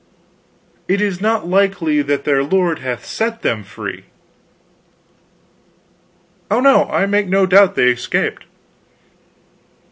It is not likely that their lord hath set them free." "Oh, no, I make no doubt they escaped."